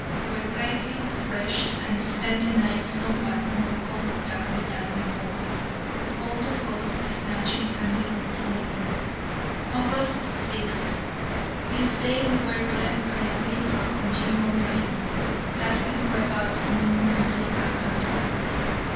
Were greatly refreshed, and spent the night somewhat more comfortably than before, both of us snatching a little sleep. August 6. This day we were blessed by a brisk and continual rain, lasting from about noon until after dark.